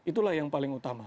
itulah yang paling utama